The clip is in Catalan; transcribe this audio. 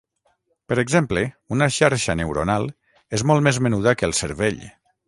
Per exemple, una xarxa neuronal és molt més menuda que el cervell.